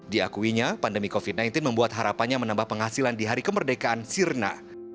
diakuinya pandemi covid sembilan belas membuat harapannya menambah penghasilan di hari kemerdekaan sirna